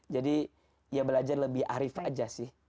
jadi ya belajar lebih arif aja sih